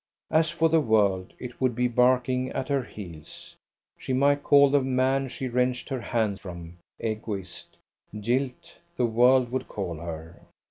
As for the world, it would be barking at her heels. She might call the man she wrenched her hand from, Egoist; jilt, the world would call her.